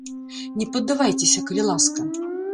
Не паддавайцеся, калі ласка.